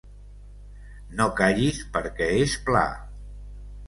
No callis perquè és pla.